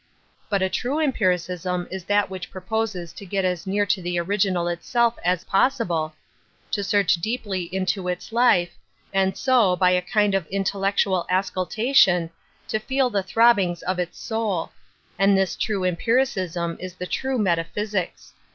But a true empiricism is that which proposes to get as near to the original itself as pos sible, to search deeply into its life, and so, I by a kind of intellectual auscultation, to feel the throbbinga of its soul; and this tnie empiricism is the true metaphysics.